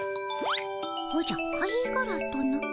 おじゃ貝がらとな？